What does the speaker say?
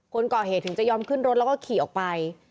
คนก่อเหตุถึงจะยอมขึ้นรถแล้วก็ขี่ออกไป